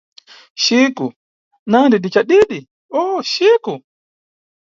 Chico -nandi ni cadidi oh Chico?